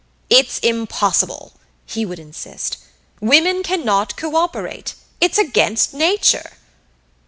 "It's impossible!" he would insist. "Women cannot cooperate it's against nature."